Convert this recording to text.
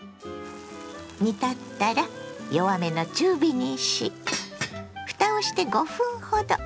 煮立ったら弱めの中火にしふたをして５分ほど。